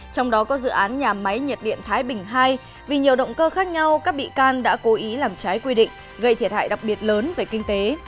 trong đó có dự án nhà máy nhiệt điện thái bình ii vì nhiều động cơ khác nhau các bị can đã cố ý làm trái quy định gây thiệt hại đặc biệt lớn về kinh tế